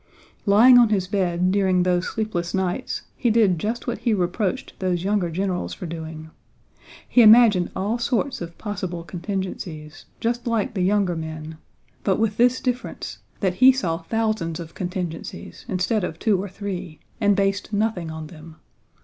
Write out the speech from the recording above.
Lying on his bed during those sleepless nights he did just what he reproached those younger generals for doing. He imagined all sorts of possible contingencies, just like the younger men, but with this difference, that he saw thousands of contingencies instead of two or three and based nothing on them.